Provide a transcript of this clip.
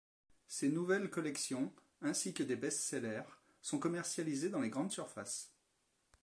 Ces nouvelles collections, ainsi que des best-sellers, sont commercialisés dans les grandes surfaces.